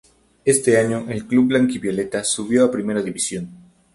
Ese año el club blanquivioleta subió a Primera División.